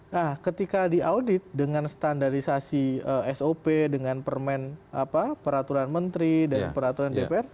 nah ketika diaudit dengan standarisasi sop dengan peraturan menteri dan peraturan dpr